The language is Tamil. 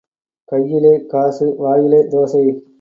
கையிலே காசு வாயிலே தோசை.